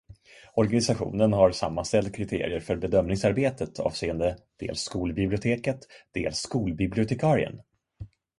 Organisationen har sammanställt kriterier för bedömningsarbetet avseende dels skolbiblioteket dels skolbibliotekarien.